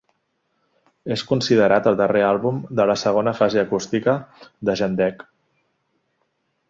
Es considerat el darrer àlbum de la "segona fase acústica" de Jandek.